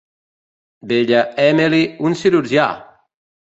Bella, Emily, un cirurgià!